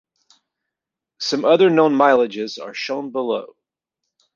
Some other known mileages are shown below.